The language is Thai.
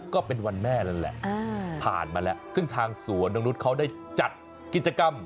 ก็เป็นวันแม่นั่นแหละผ่านมาแล้วซึ่งทางสวนนกนุษย์เขาได้จัดกิจกรรม